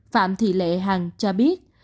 phạm thị lệ hằng cho biết